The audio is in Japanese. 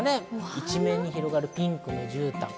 一面に広がるピンクのじゅうたん。